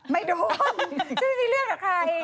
ไม่ดมจะไปมีเรื่องกับใคร